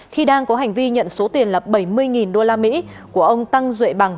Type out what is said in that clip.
khi đang có hành vi nhận số tiền là bảy mươi usd của ông tăng duệ bằng